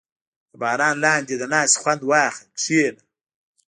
• د باران لاندې د ناستې خوند واخله، کښېنه.